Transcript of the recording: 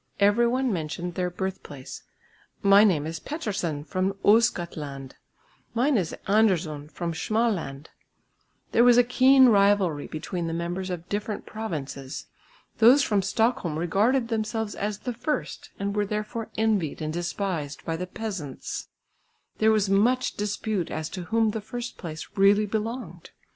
Every one mentioned their birthplace, "My name is Pettersson, from Ostgothland," "Mine is Andersson, from Småland." There was a keen rivalry between the members of different provinces. Those from Stockholm regarded themselves as the first and were therefore envied and despised by the "peasants." There was much dispute as to whom the first place really belonged.